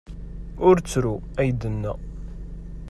Ur ttru, ay d-tenna.